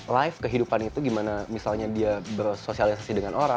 live kehidupan itu gimana misalnya dia bersosialisasi dengan orang